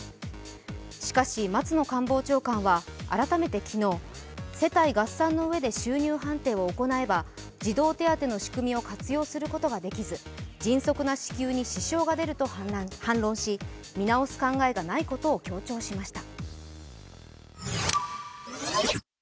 しかし松野官房長官は改めて昨日、世帯合算のうえで収入判定を行えば児童手当の仕組みを活用することができず迅速な支給に支障が出ると反論し見直す考えがないことを強調しました。